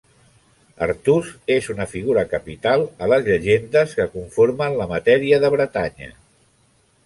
Artús és una figura capital a les llegendes que conformen la matèria de Bretanya.